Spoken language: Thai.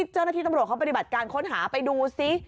เจ้าหน้าที่ตำรวจเขาปฏิบัติการค้นหาไปดูซิ